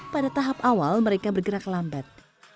pada tahap awal mereka bergerak lambat